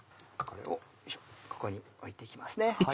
これをここに置いて行きますね。